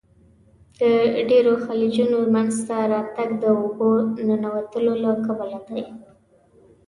د ډیرو خلیجونو منځته راتګ د اوبو ننوتلو له کبله دی.